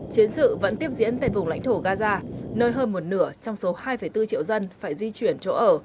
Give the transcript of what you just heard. chiến sự vẫn tiếp diễn tại vùng lãnh thổ gaza nơi hơn một nửa trong số hai bốn triệu dân phải di chuyển chỗ ở